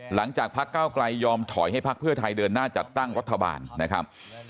พักเก้าไกลยอมถอยให้พักเพื่อไทยเดินหน้าจัดตั้งรัฐบาลนะครับ